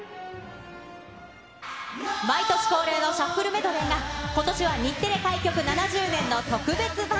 毎年恒例のシャッフルメドレーが、ことしは日テレ開局７０年の特別版。